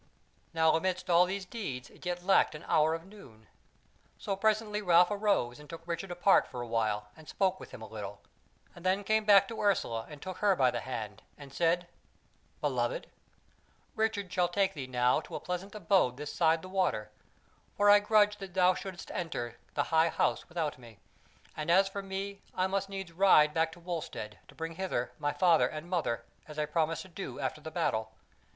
Now amidst all these deeds it yet lacked an hour of noon. So presently Ralph arose and took Richard apart for a while and spoke with him a little, and then came back to Ursula and took her by the hand, and said: "Beloved, Richard shall take thee now to a pleasant abode this side the water; for I grudge that thou shouldst enter the High House without me; and as for me I must needs ride back to Wulstead to bring hither my father and mother, as I promised to do after the battle.